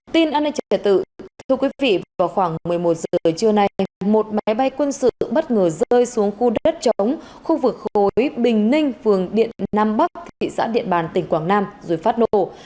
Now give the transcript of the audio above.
tin an ninh trả tự thưa quý vị vào khoảng một mươi một giờ trưa nay một máy bay quân sự bất ngờ rơi xuống khu đất chống khu vực khối bình ninh phường điện nam bắc thị xã điện bàn tỉnh quảng nam rồi phát nổ